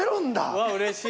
うわうれしい。